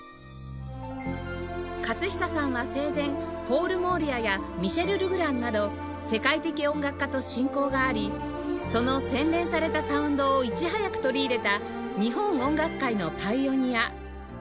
克久さんは生前ポール・モーリアやミシェル・ルグランなど世界的音楽家と親交がありその洗練されたサウンドをいち早く取り入れた日本音楽界のパイオニア